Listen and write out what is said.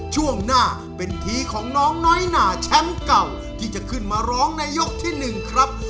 ช่วงหน้าเป็นทีของน้องน้อยหนาแชมป์เก่าที่จะขึ้นมาร้องในยกที่๑ครับ